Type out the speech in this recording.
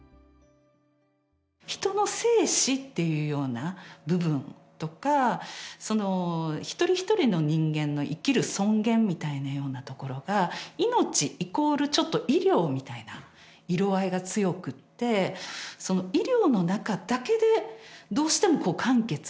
人の生死っていうような部分とか一人一人の人間の生きる尊厳みたいなようなところが命イコールちょっと医療みたいな色合いが強くて医療の中だけでどうしても完結しようとしてきた。